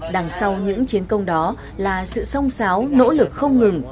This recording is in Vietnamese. đằng sau những chiến công đó là sự song sáo nỗ lực không ngừng